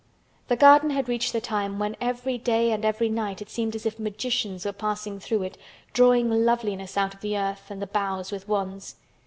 The garden had reached the time when every day and every night it seemed as if Magicians were passing through it drawing loveliness out of the earth and the boughs with wands.